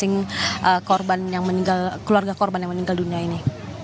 atau ke masing masing keluarga korban yang meninggal dunia ini